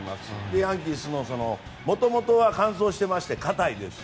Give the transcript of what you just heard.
ヤンキー・スタジアムはもともとは乾燥していまして硬いですし。